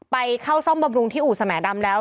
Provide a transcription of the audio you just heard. ไปเข้าซ่อมบำรุงที่อู่สแหมดำแล้ว